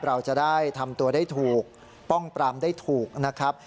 เราจะได้ทำตัวได้ถูกป้องปรามได้ถูกนะครับ